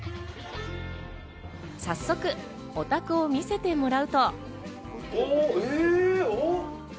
早速、お宅を見せてもらうと。